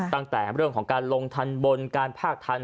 ตั้งแต่เรื่องของการลงทันบนการภาคทัน